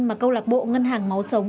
mà câu lạc bộ ngân hàng máu sống